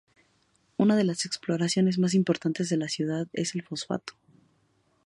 Una de las exportaciones más importantes de la ciudad es el fosfato.